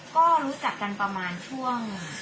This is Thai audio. ก็รู้จักกันประมาณช่วง